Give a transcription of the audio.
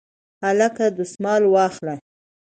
هلکه دستمال واخله